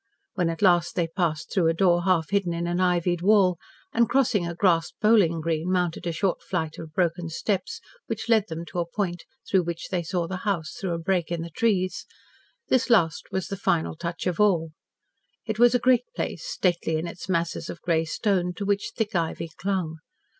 When at last they passed through a door half hidden in an ivied wall, and crossing a grassed bowling green, mounted a short flight of broken steps which led them to a point through which they saw the house through a break in the trees, this last was the final touch of all. It was a great place, stately in its masses of grey stone to which thick ivy clung.